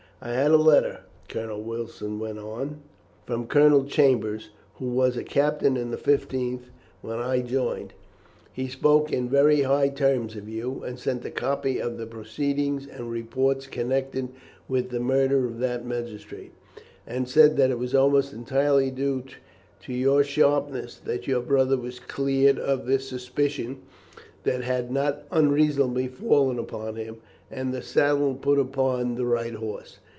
"I had a letter," Colonel Wilson went on, "from Colonel Chambers, who was a captain in the 15th when I joined. He spoke in very high terms of you, and sent a copy of the proceedings and reports connected with the murder of that magistrate, and said that it was almost entirely due to your sharpness that your brother was cleared of the suspicion that had not unreasonably fallen upon him, and the saddle put upon the right horse.